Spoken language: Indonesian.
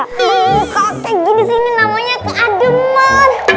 aduh kok kayak gini sih ini namanya keadeuman